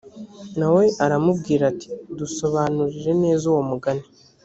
na we aramubwira ati dusobanurire neza uwo mugani